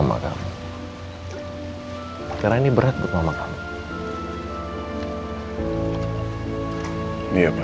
untuk segera menceritakan semuanya ke mama